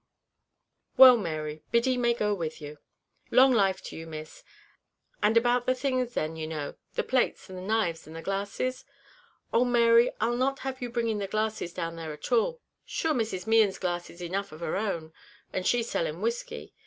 "Well, Mary, Biddy may go with you." "Long life to you, Miss; and about the things then you know the plates, and the knives, and the glasses?" "Oh! Mary, I'll not have you bringing the glasses down there at all; sure Mrs. Mehan's glasses enough of her own, and she selling whiskey.